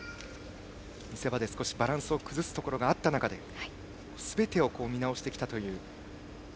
見せ場で少しバランスを崩すことがあった中すべてを見直してきたと。